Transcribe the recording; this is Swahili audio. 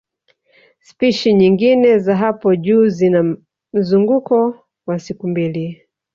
Spishi nyingine za hapo juu zina mzunguko wa siku mbili